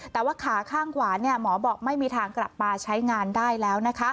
แต่ว่าขาข้างขวาหมอบอกไม่มีทางกลับมาใช้งานได้แล้ว